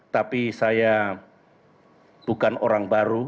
tapi saya bukan orang baru